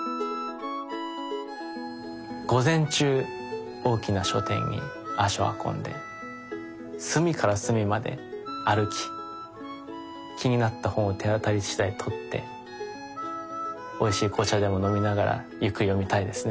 午前中大きな書店に足を運んで隅から隅まで歩き気になった本を手当たりしだい取っておいしい紅茶でも飲みながらゆっくり読みたいですね